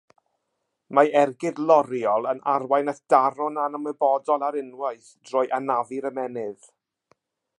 Mae ergyd loriol yn arwain at daro'n anymwybodol ar unwaith drwy anafu'r ymennydd.